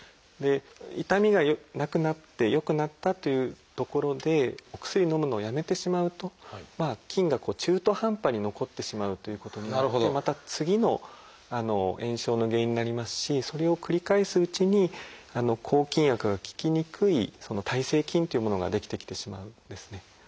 で痛みがなくなって良くなったというところでお薬をのむのをやめてしまうと菌が中途半端に残ってしまうということになってまた次の炎症の原因になりますしそれを繰り返すうちに抗菌薬が効きにくい耐性菌っていうものが出来てきてしまうんですね。